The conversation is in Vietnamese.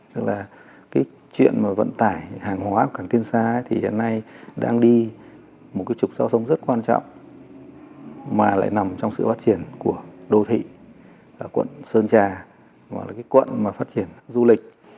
tức là cái chuyện mà vận tải hàng hóa của cảng tiên sa thì hiện nay đang đi một cái trục giao thông rất quan trọng mà lại nằm trong sự phát triển của đô thị quận sơn trà gọi là cái quận mà phát triển du lịch